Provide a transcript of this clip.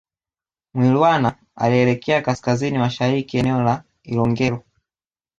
Mwilwana alielekea kaskazini mashariki eneo la Ilongero